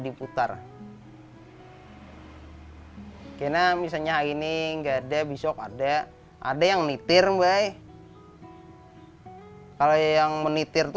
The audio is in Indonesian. diputar karena misalnya ini enggak ada besok ada ada yang nitir mbay kalau yang menitir